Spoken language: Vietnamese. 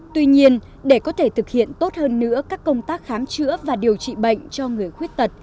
tuy nhiên để có thể thực hiện tốt hơn nữa các công tác khám chữa và điều trị bệnh cho người khuyết tật